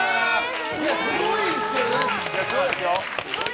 すごいですけどね。